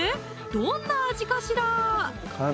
どんな味かしら！